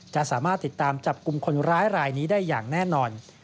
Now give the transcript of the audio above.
จะสามารถติดตามจับกลุ่มคนร้ายรายนี้ได้อย่างแน่นอน